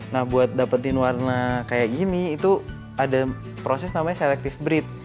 nah buat dapetin warna kayak gini itu ada proses namanya selektif breed